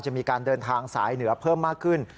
จะมีการเดินทางสายเหนือเพิ่มมากขึ้น